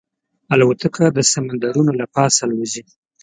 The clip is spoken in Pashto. الوتکه د سمندرونو له پاسه الوزي.